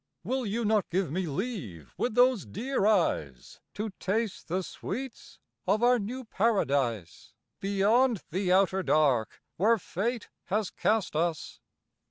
Will you not give me leave with those dear eyes, To taste the sweets of our new paradise, Beyond the outer dark where fate has cast us?